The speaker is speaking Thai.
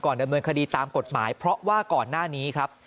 ดำเนินคดีตามกฎหมายเพราะว่าก่อนหน้านี้ครับ